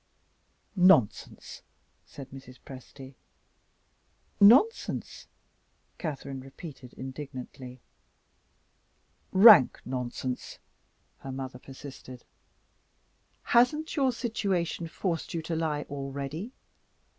"Nonsense!" said Mrs. Presty. "Nonsense?" Catherine repeated indignantly. "Rank nonsense," her mother persisted. "Hasn't your situation forced you to lie already?